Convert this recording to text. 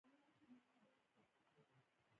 د مایکروسکوپ ډولونه په لاندې ډول دي.